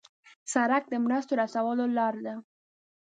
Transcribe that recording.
سړک د مرستو رسولو لار ده.